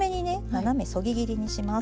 斜めそぎ切りにします。